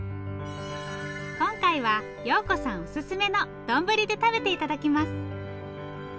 今回は陽子さんおすすめの丼で食べて頂きます。